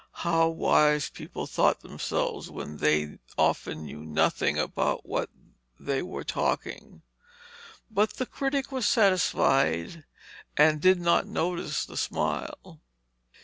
How wise people thought themselves when they often knew nothing about what they were talking! But the critic was satisfied, and did not notice the smile.